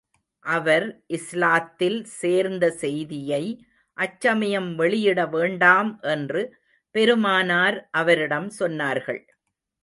அவர் இஸ்லாத்தில் சேர்ந்த செய்தியை அச்சமயம் வெளியிட வேண்டாம் என்று பெருமானார் அவரிடம் சொன்னார்கள்.